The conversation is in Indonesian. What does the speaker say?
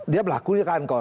dia berlaku nih kan